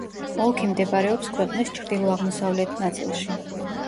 ოლქი მდებარეობს ქვეყნის ჩრდილო-აღმოსავლეთ ნაწილში.